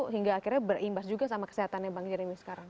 hingga akhirnya berimbas juga sama kesehatannya bang jeremy sekarang